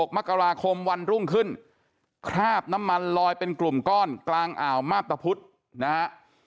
มกราคมวันรุ่งขึ้นคราบน้ำมันลอยเป็นกลุ่มก้อนกลางอ่าวมาบตะพุทธนะฮะ